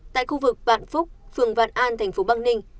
tại khu vực vạn phúc phường vạn an tp băng ninh